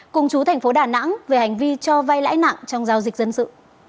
cùng chú thành phố đà nẵng về hành vi cho vay lãi nặng trong giao dịch dân sự